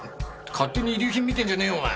勝手に遺留品見てんじゃねえよお前。